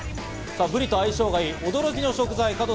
ブリと相性がいい驚きの食材。